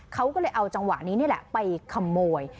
เขาก็เลยเอาจังหวะนี้นี่แหละไปขโมย